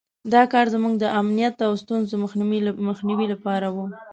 دا کار زموږ د امنیت او د ستونزو مخنیوي لپاره وو.